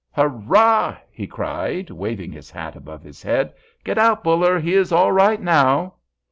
"Hurrah!" he cried, waving his hat above his head. "Get out, Buller; he is all right now!"